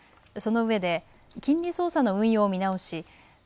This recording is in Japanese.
その上で金利操作の運用を見直し